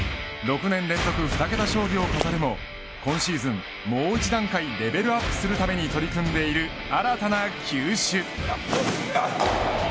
６年連続２桁勝利を飾るも今シーズン、もう一段階レベルアップするために取り組んでいる新たな球種。